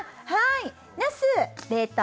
ナス冷凍